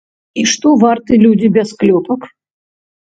І што варты людзі без клёпак?